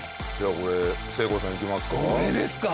これせいこうさんいきますか。